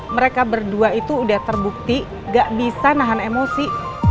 mereka berdua itu udah terbukti gak bisa nahan emosi